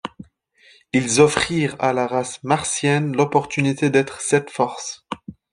Ils offrirent à la race Martienne l’opportunité d’être cette force.